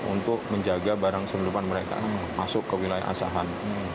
untuk menjaga barang selundupan mereka masuk ke wilayah asahan